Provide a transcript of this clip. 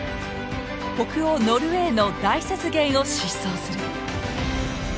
北欧・ノルウェーの大雪原を疾走する。